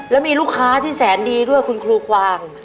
แล้วมีลูกค้าที่แสนดีด้วยคุณครูกวาง